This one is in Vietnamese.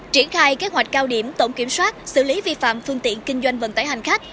triển khai kế hoạch cao điểm tổng kiểm soát xử lý vi phạm phương tiện kinh doanh vận tải hành khách